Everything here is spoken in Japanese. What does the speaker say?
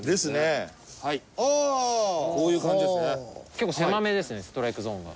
結構狭めですねストライクゾーンが。